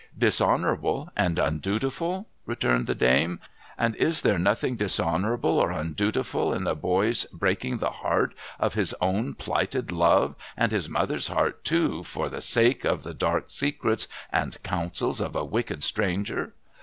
'Dishonourable and undutiful?' returned the dame. 'And is there nothing dishonourable or undutiful in the boy's breaking the heart of his own plighted love, and his mother's heart too, for the sake of the dark secrets and counsels of a wicked stranger